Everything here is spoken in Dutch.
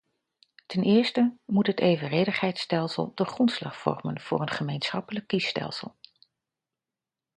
Ten eerste moet het evenredigheidsstelsel de grondslag vormen voor een gemeenschappelijk kiesstelsel.